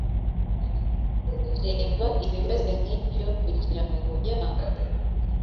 Reba ibimeze nk’ibyo ku ngingo ya .